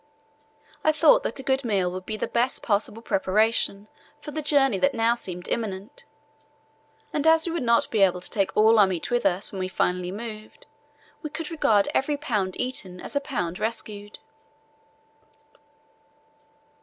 I thought that a good meal would be the best possible preparation for the journey that now seemed imminent, and as we would not be able to take all our meat with us when we finally moved, we could regard every pound eaten as a pound rescued.